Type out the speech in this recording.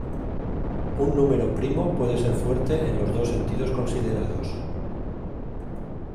Un número primo puede ser fuerte en los dos sentidos considerados.